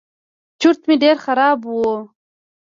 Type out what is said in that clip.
چورت مې ډېر خراب و.